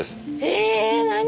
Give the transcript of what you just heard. え何？